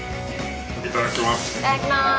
いただきます。